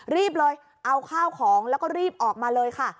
รีบเลยเอาข้าวของแล้วก็รีบออกมาเลยค่ะ